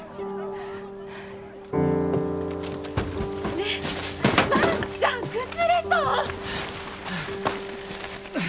・ねえ万ちゃん崩れそう！